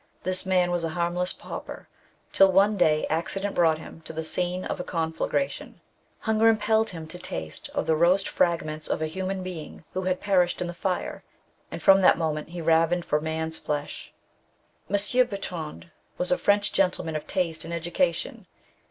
This man was a harmless pauper, till one day accident brought him to the scene of a confla gration. Hunger impelled him to taste of the roast 142 THE BOOK OF WERE WOLVES. fragments of a human being who had perished in the fire, and from that moment he ravened for man's flesh. M. Bertrand was a French gentleman of taste and education.